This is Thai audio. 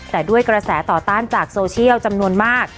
แต่ด้วยกระแสต่อต้านจากโซเชียลจำนวนมาก